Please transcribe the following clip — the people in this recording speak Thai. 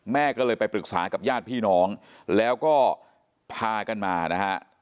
แม่ก็เลยไปปรึกษากับญาติพี่น้องแล้วก็พากันมานะฮะ